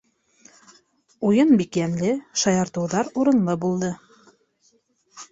Уйын бик йәнле, шаяртыуҙар урынлы булды.